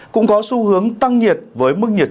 cũng có xu hướng tăng nhiệt với mức nhiệt